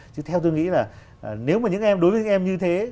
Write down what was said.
chứ theo tôi nghĩ là nếu mà những em đối với các em như thế